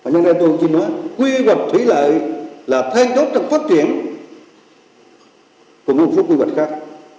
nhân ra tôi chỉ nói quy hoạch thủy lợi là thay đốt trận phát triển của một số quy hoạch khác